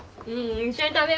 一緒に食べよう。